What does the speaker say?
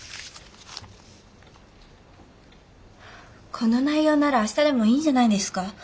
この内容なら明日でもいいんじゃないですか？